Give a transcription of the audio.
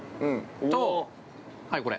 と、はい、これ。